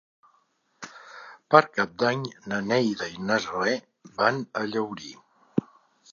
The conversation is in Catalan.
Per Cap d'Any na Neida i na Zoè van a Llaurí.